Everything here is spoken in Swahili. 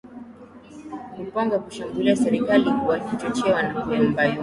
opanga kushambulia serikali wakichochewa na kuyumbayumba